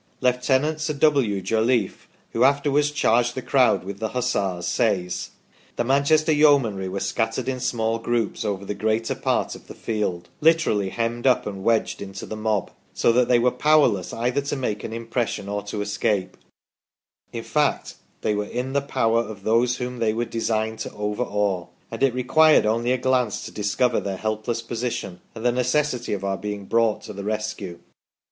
Lieutenant Sir W. Jolliffe, who afterwards charged the crowd with the Hussars, says :" the Manchester Yeomanry were scattered in small groups over the greater part of the field, literally hemmed up and wedged into the mob, so that they were powerless either to make an impression or to escape ; in fact, they were in the power of those whom they were designed to overawe ; and it required only a glance to discover their helpless position and the necessity of our being brought to the rescue